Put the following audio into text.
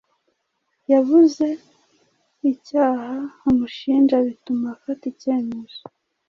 yabuze icyaha amushinja bituma afata icyemezo